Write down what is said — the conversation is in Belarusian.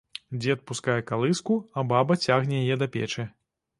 Дзед пускае калыску, а баба цягне яе да печы.